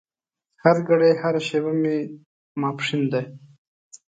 هرګړۍ هره شېبه مې ماسپښين ده